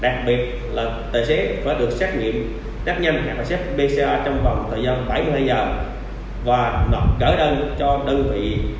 đặc biệt là tài xế và được xét nghiệm đắt nhanh và xét bca trong vòng thời gian bảy mươi hai giờ